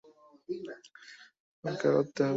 ফিটজ এবং মেয়েটাকে খুঁজে না পাওয়া পর্যন্ত অপেক্ষা করতে হবে।